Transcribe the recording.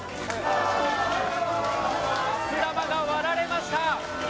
くす玉が割られました。